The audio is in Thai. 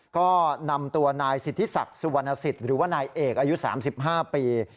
ก็นำตัวนายสิทธิศักดิ์สุวรรณสิทธิ์หรือว่านายเอกอายุ๓๕ปี